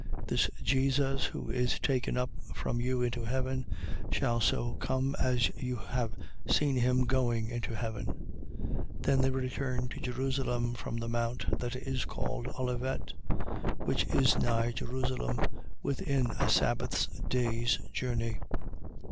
This Jesus who is taken up from you into heaven, shall so come as you have seen him going into heaven. 1:12. Then they returned to Jerusalem from the mount that is called Olivet, which is nigh Jerusalem, within a sabbath day's journey.